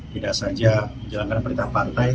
tidak saja menjalankan perintah partai